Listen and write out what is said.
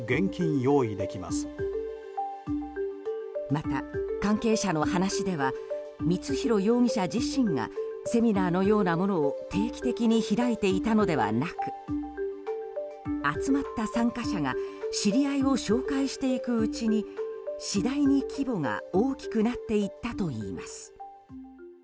また、関係者の話では光弘容疑者自身がセミナーのようなものを定期的に開いていたのではなく集まった参加者が知り合いを紹介していくうちに次第に規模が大きくなっていったといいます。